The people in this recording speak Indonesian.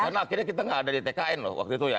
karena akhirnya kita tidak ada di tkn loh waktu itu ya